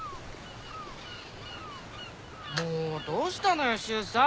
もうどうしたのよシュウさん